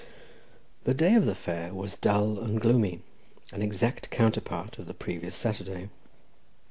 The day of the fair was dull and gloomy, an exact counterpart of the previous Saturday.